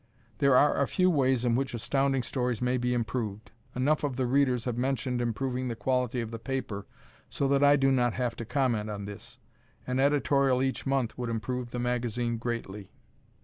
There are a few ways in which Astounding Stories may be improved. Enough of the readers have mentioned improving the quality of the paper so that I do not have to comment on this. An editorial each month would improve the magazine greatly.